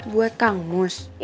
buat kang ujang